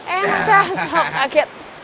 eh mas jantung kaget